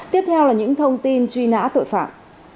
tiếp theo là những thông tin truy nã tội phạm